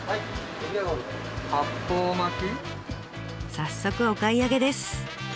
早速お買い上げです。